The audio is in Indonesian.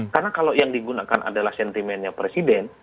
karena kalau yang digunakan adalah sentimennya presiden